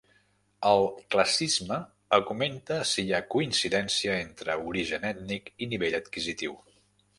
El classisme augmenta si hi ha coincidència entre origen ètnic i nivell adquisitiu.